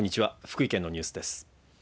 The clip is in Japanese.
福井県のニュースです。